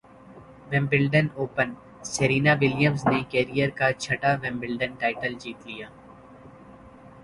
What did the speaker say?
Wimbledon open Serena ولیمزنےکیرئیر کا چھٹا ومبلڈن ٹائٹل جیت لیا